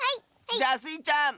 じゃあスイちゃん！